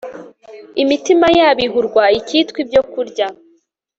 imitima yabo ihurwa icyitwa ibyo kurya